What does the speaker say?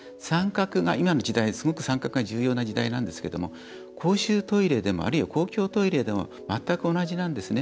今の時代は参画が重要な時代なんですけれども公衆トイレでもあるいは公共トイレでも全く同じなんですね。